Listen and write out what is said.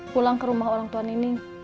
pulang ke rumah orangtua neneng